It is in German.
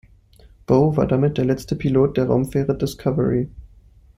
Boe war damit der letzte Pilot der Raumfähre Discovery.